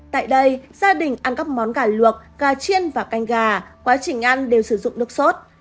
tại đây gia đình ăn các món gà luộc gà chiên và canh gà quá trình ăn đều sử dụng nước sốt